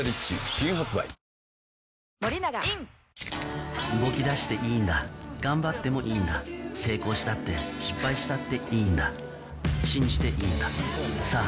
新発売プシュ動き出していいんだ頑張ってもいいんだ成功したって失敗したっていいんだ信じていいんださぁ